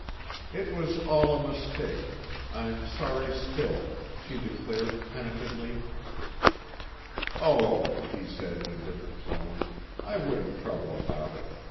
"It was all a mistake; I'm sorry still," she declared penitently. "Oh," he said in a different tone; "I wouldn't trouble about it.